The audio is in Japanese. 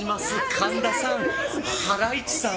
神田さん、ハライチさん